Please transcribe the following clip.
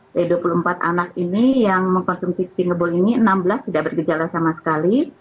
dari dua puluh empat anak ini yang mengkonsumsi sti ngebul ini enam belas tidak bergejala sama sekali